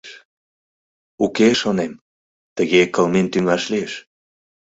«Уке, — шонем, — тыге кылмен тӱҥаш лиеш.